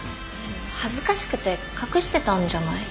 恥ずかしくて隠してたんじゃない？